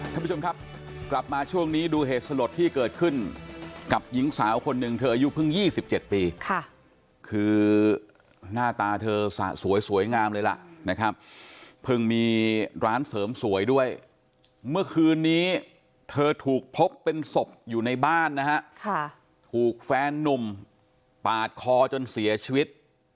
ท่านผู้ชมครับกลับมาช่วงนี้ดูเหตุสลดที่เกิดขึ้นกับหญิงสาวคนหนึ่งเธออายุเพิ่ง๒๗ปีค่ะคือหน้าตาเธอสะสวยสวยงามเลยล่ะนะครับเพิ่งมีร้านเสริมสวยด้วยเมื่อคืนนี้เธอถูกพบเป็นศพอยู่ในบ้านนะฮะถูกแฟนนุ่มปาดคอจนเสียชีวิต